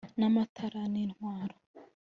N amatara n intwaro